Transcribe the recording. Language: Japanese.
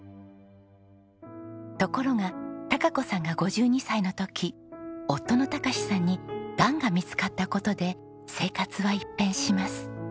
ところが貴子さんが５２歳の時夫の孝さんにがんが見つかった事で生活は一変します。